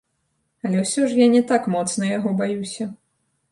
Але ўсё ж я не так моцна яго баюся.